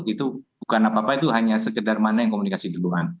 itu bukan apa apa itu hanya sekedar mana yang komunikasi duluan